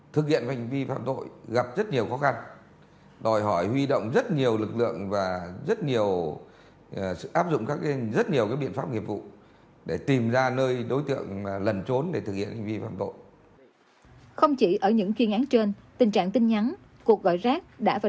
thưa quý vị và các bạn trong những năm trở lại đây